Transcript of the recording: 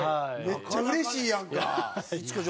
めっちゃうれしいやんか。